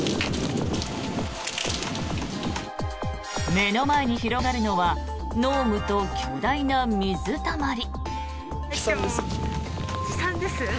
目の前に広がるのは濃霧と巨大な水たまり。